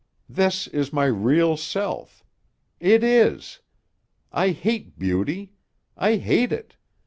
This is my real self. It is. I hate beauty. I hate it.